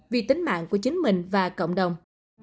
vì tính mạng của chính mình và cộng đồng